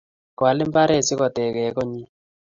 koal mbaret si kotegee konnyi